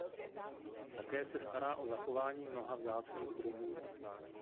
Také se stará o zachování mnoha vzácných druhů.